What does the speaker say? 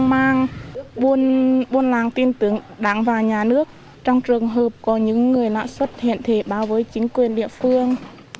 trong trường hợp buôn làng tin tưởng đáng vào nhà nước trong trường hợp có những người lã xuất hiện thể báo với chính quyền địa phương